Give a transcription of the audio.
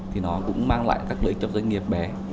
thì nó cũng mang lại các lợi cho doanh nghiệp bé